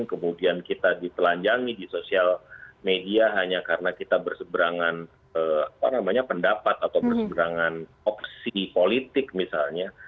kemudian kita ditelanjangi di sosial media hanya karena kita berseberangan pendapat atau berseberangan opsi politik misalnya